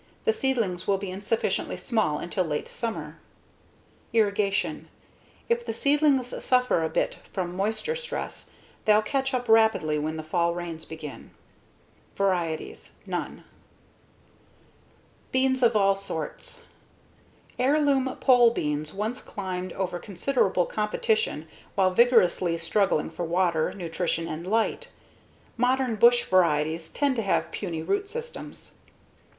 The seedlings will be insignificantly small until late summer. Irrigation: If the seedlings suffer a bit from moisture stress they'll catch up rapidly when the fall rains begin. Varieties: None. Beans of All Sorts Heirloom pole beans once climbed over considerable competition while vigorously struggling for water, nutrition, and light. Modern bush varieties tend to have puny root systems.